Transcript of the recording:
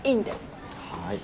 はい。